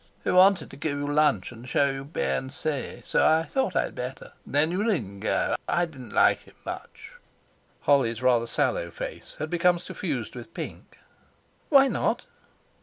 He wanted to give you lunch and show you B.N.C., so I thought I'd better; then you needn't go. I don't like him much." Holly's rather sallow face had become suffused with pink. "Why not?"